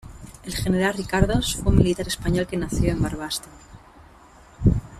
El General Ricardos fue un militar español que nació en Barbastro.